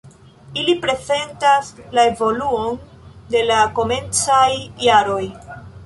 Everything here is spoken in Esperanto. Ili prezentas la evoluon de la komencaj jaroj.